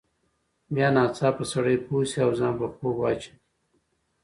بیا ناڅاپه سړی پوه شي او ځان په خوب واچوي.